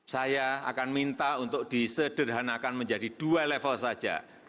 saya akan minta untuk disederhanakan menjadi dua level saja